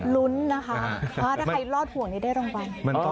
ลุ้นนะคะว่าถ้าใครรอดห่วงนี้ได้รางวัล